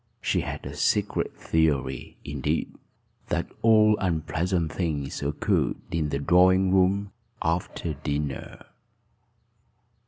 She had a secret theory, indeed, that all unpleasant things occurred in the drawing room after dinner.